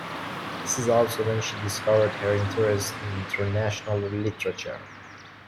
This is also when she discovered her interest in international literature.